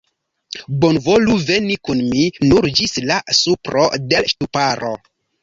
Bonvolu veni kun mi, nur ĝis la supro de l' ŝtuparo.